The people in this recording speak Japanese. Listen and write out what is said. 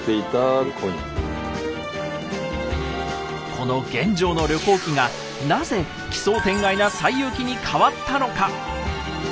この玄奘の旅行記がなぜ奇想天外な「西遊記」に変わったのか。